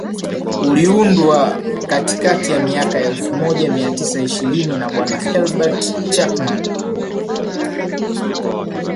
uliundwa katikati ya miaka ya elfu moja mia tisa ishirini na bwana Herbert Chapman